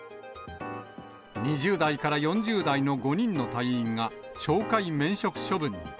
２０代から４０代の５人の隊員が懲戒免職処分に。